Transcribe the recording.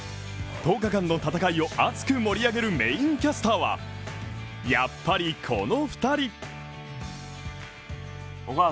１０日間の戦いを熱く盛り上げるメーンキャスターは、やっぱり、この２人。